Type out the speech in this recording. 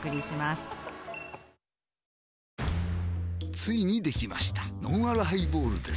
ついにできましたのんあるハイボールです